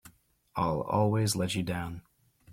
I'll always let you down!